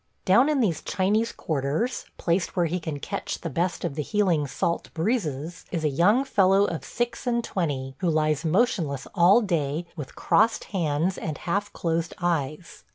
Down in these Chinese quarters, placed where he can catch the best of the healing salt breezes, is a young fellow of six and twenty, who lies motionless all day, with crossed hands and half closed eyes.